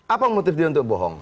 apa motif dia untuk bohong